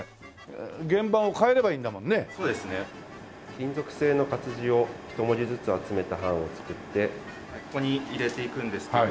金属製の活字を１文字ずつ集めた版を作ってここに入れていくんですけど。